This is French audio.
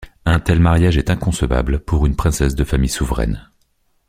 Un tel mariage est inconcevable pour une princesse de famille souveraine.